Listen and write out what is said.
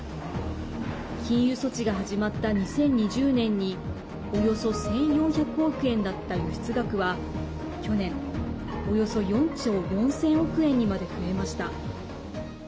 禁輸措置が始まった２０２０年におよそ１４００億円だった輸出額は、去年およそ４兆４０００億円にまで増えました。